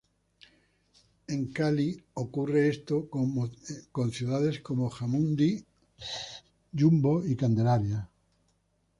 En Cali ocurre esto con ciudades como Jamundí, Yumbo y Candelaria.